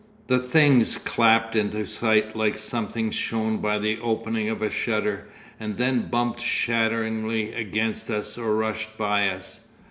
The things clapped into sight like something shown by the opening of a shutter, and then bumped shatteringly against us or rushed by us.